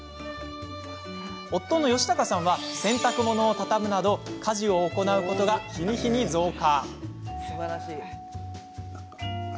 夫の好隆さんは洗濯物を畳むなど家事を行うことが日に日に増加。